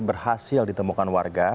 berhasil ditemukan warga